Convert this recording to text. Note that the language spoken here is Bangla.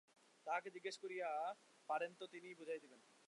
তাঁহাকে জিজ্ঞাসা করিয়ো, পারেন তো তিনিই বুঝাইয়া দিবেন।